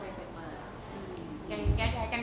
เป็นแบบที่เราเคยเจอมา